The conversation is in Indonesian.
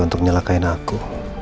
untuk nyalakain aku